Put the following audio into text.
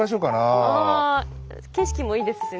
景色もいいですしね。